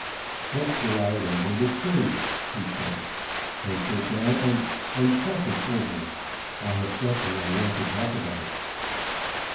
"Let's go out under the tree," he said, "and sit down, and and talk it over. I have something I want to talk about."